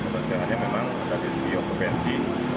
perjalanannya memang dari segi okupansi